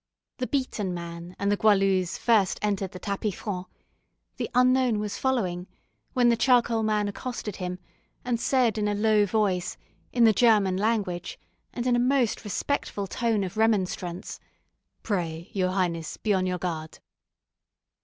The beaten man and the Goualeuse first entered the tapis franc; the unknown was following, when the charcoal man accosted him, and said, in a low voice, in the German language, and in a most respectful tone of remonstrance, "Pray, your highness, be on your guard."